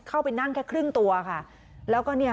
เข้าไปนั่งแค่ครึ่งตัวค่ะแล้วก็เนี่ย